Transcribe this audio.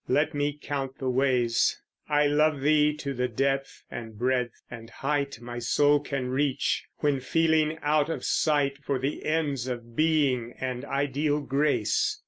Let me count the ways. I love thee to the depth and breadth and height My soul can reach, when feeling out of sight For the ends of Being and ideal Grace.